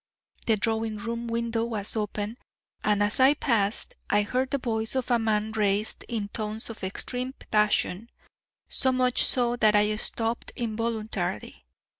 The drawing room window was open, and as I passed I heard the voice of a man raised in tones of extreme passion, so much so that I stopped involuntarily.